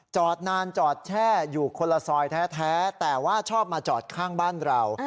จอดนานจอดแช่อยู่คนละซอยแท้แต่ว่าชอบมาจอดข้างบ้านเรา